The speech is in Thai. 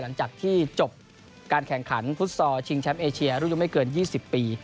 หลังจากที่จบการแข่งขันฟุตซอลชิงแชมป์เอเชียรุ่นยังไม่เกิน๒๐ปี